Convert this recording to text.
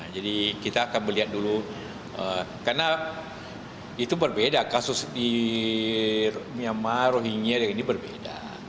jadi kita akan melihat dulu karena itu berbeda kasus di myanmar rohingya ini berbeda